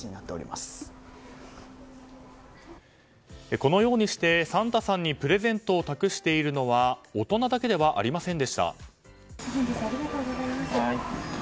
このようにして、サンタさんにプレゼントを託しているのは大人だけではありませんでした。